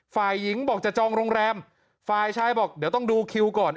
ฝ่ายหญิงบอกจะจองโรงแรมฝ่ายชายบอกเดี๋ยวต้องดูคิวก่อน